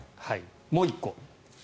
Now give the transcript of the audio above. もう１個。